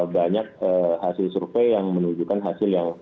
banyak hasil survei yang menunjukkan hasil yang